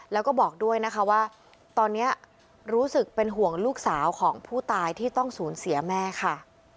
แล้วก็บอกด้วยนะคะว่าตอนนี้รู้สึกเป็นห่วงลูกสาวของผู้ตายที่ต้องสูญเสียแม่ค่ะ